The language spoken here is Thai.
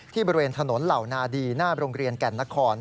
บริเวณถนนเหล่านาดีหน้าโรงเรียนแก่นนคร